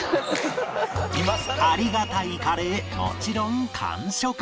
ありがたいカレーもちろん完食